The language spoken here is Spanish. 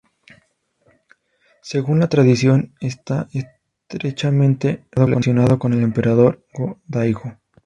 Según la tradición está estrechamente relacionado con el emperador Go-Daigo.